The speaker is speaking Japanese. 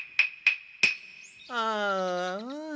ああ。